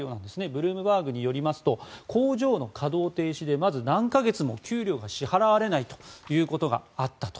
ブルームバーグによりますと工場の稼働停止で何か月も給料が支払われないということがあったと。